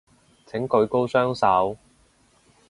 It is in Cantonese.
請舉高雙手